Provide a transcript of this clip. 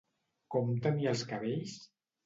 Com tenia els cabells?